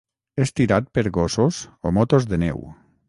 És tirat per gossos o motos de neu.